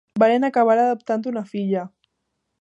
Varen acabar adoptant una filla.